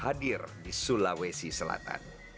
hadir di sulawesi selatan